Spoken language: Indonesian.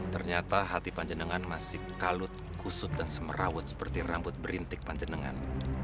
ternyata hati panjenengan masih kalut kusut dan semerawut seperti rambut berintik panjenengan